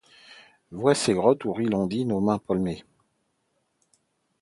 Vois ces grottes où rit l'ondine aux mains palmées